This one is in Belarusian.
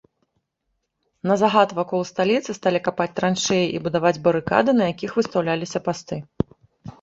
На загад вакол сталіцы сталі капаць траншэі і будаваць барыкады, на якіх выстаўляліся пасты.